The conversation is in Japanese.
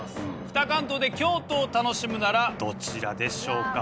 北関東で京都を楽しむならどちらでしょうか？